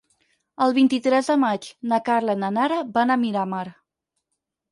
El vint-i-tres de maig na Carla i na Nara van a Miramar.